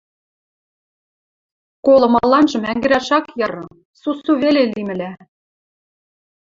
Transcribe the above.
Колымыланжы мӓгӹрӓш ак яры, сусу веле лимӹлӓ